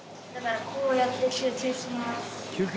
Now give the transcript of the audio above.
こうやって休憩します。